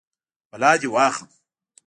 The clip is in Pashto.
بلا دې واخلم.